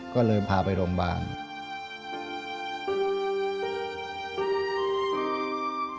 ก็เลยพาไปโรงพยาบาล